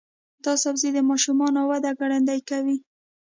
دا سبزی د ماشومانو وده ګړندۍ کوي.